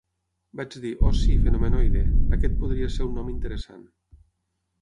Vaig dir "Oh, sí," Fenomenoide", aquest podria ser un nom interessant.